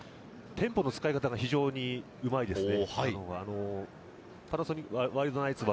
テンポの使い方が非常にうまいですね。